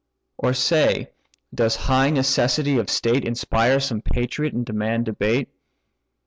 Or say, does high necessity of state Inspire some patriot, and demand debate?